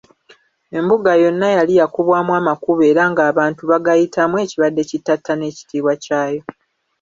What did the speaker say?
Embuga yonna yali yakubwamu amakubo era nga abantu bagayitamu, ekibadde kittattana ekitiibwa kyayo.